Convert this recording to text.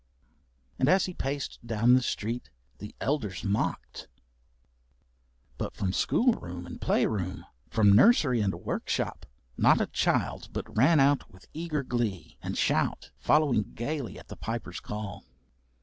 And as he paced down the streets the elders mocked, but from school room and play room, from nursery and workshop, not a child but ran out with eager glee and shout following gaily at the Piper's call.